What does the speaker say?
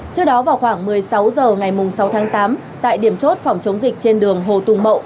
trước đó vào khoảng một mươi sáu h ngày sáu tháng tám tại điểm chốt phòng chống dịch trên đường hồ tùng mậu